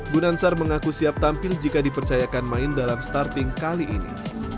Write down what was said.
gunansar mengaku siap tampil jika dipercayakan main dalam starting kali ini